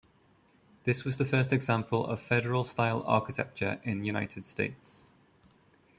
This was the first example of Federal Style architecture in the United States.